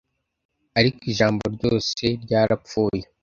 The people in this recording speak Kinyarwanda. Ariko ijambo ryose ryarapfuye.